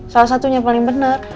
salah satunya paling bener